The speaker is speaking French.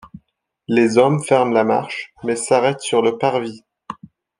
Les hommes ferment la marche, mais s'arrêtent sur le parvis.